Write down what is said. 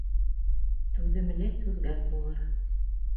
Түҙемле түҙгәк булыр.